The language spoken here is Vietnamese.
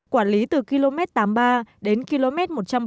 quản lý từ km tám mươi ba đến km một trăm bảy mươi bốn